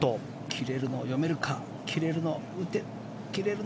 切れるのを読めるか。